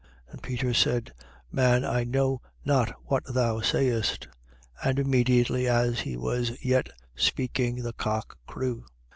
22:60. And Peter said: Man, I know not what thou sayest. And immediately, as he was yet speaking, the cock crew.